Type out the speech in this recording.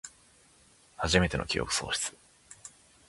はじめての記憶喪失